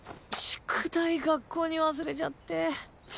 宿題学校に忘れちゃって。